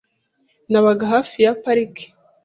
Nabaga hafi ya parike.